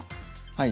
はい。